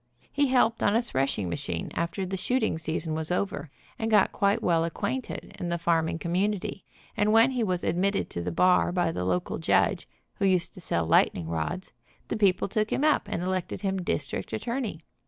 He helped on a threshing machine after the shooting season was over, and got quite well acquainted in the farming community, and when he was admitted to the bar by the local judge, who used to sell lightning rods, the people took him up and elected him district at torney.